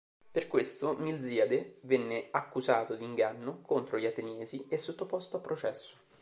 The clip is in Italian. Per questo, Milziade venne accusato di inganno contro gli Ateniesi, e sottoposto a processo.